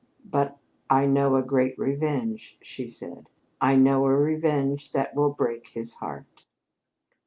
"But I know a great revenge," she said. "I know a revenge that will break his heart!"